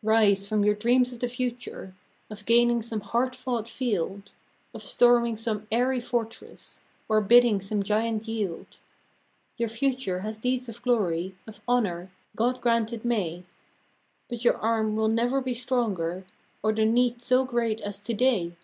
FROM QUEENS' GARDENS. Rise from your dreams of the Future, — Of gaining some hard fought field ; Of storming some airy fortress, Or bidding some giant yield ; Your Future has deeds of glory, Of honor (God grant it may !) But your arm will never be stronger, Or the need so great as To day.